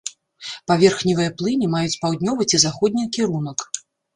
Паверхневыя плыні маюць паўднёвы ці заходні кірунак.